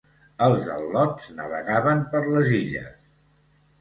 Els al·lots navegaven per les illes.